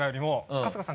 春日さん